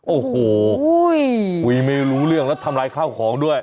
โอ้โหคุยไม่รู้เรื่องแล้วทำลายข้าวของด้วย